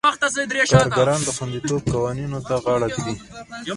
کارګران د خوندیتوب قوانینو ته غاړه ږدي.